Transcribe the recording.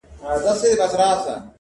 نه پر چا احسان د سوځېدو لري!!